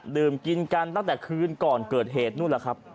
ดื่มกินกันตั้งแต่คืนก่อนเกิดเหตุนู่นแหละครับ